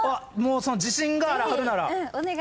もう自信があらはるなら。